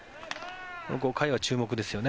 ５回は注目ですよね。